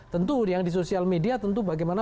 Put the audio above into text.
tentu yang di sosial media tentu bagaimana